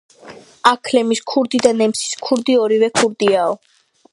აქლემის ქურდი და ნემსის ქურდი, ორივე ქურდიაო